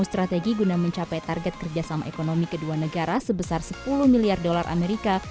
strategi guna mencapai target kerjasama ekonomi kedua negara sebesar sepuluh miliar dolar amerika